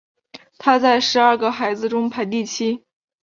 他在十二个孩子中排第七。